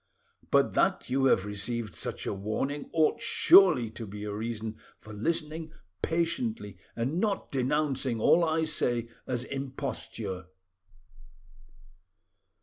But that you have received such a warning ought surely to be a reason for listening patiently and not denouncing all I say as imposture."